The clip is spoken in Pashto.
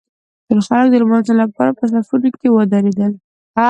ټول خلک د لمانځه لپاره په صفونو کې ودرېدل.